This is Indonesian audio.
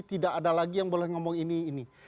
tidak ada lagi yang boleh ngomong ini ini